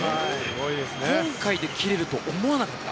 今大会で切れるとは思わなかった。